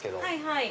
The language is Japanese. はい。